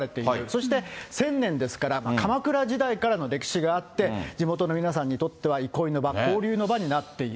そして１０００年ですから、鎌倉時代からの歴史があって、地元の皆さんにとっては憩いの場、交流の場になっている。